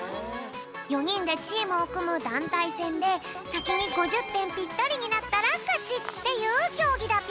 ４にんでチームをくむだんたいせんでさきに５０てんぴったりになったらかちっていうきょうぎだぴょん！